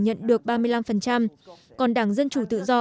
nhận được ba mươi năm còn đảng dân chủ tự do